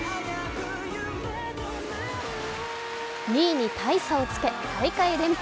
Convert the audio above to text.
２位に大差をつけ大会連覇。